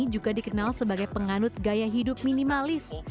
juga dikenal sebagai penganut gaya hidup minimalis